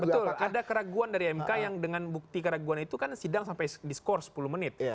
betul ada keraguan dari mk yang dengan bukti keraguan itu kan sidang sampai diskors sepuluh menit